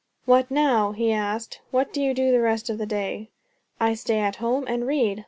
"What now?" he asked. "What do you do the rest of the day?" "I stay at home and read.